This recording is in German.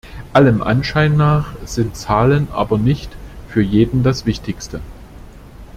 Allem Anschein nach sind Zahlen aber nicht für jeden das Wichtigste.